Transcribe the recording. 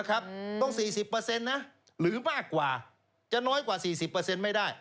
ต้อง๔๐นะหรือมากกว่าจะน้อยกว่า๔๐ไม่ได้